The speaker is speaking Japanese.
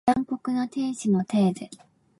残酷な天使のテーゼ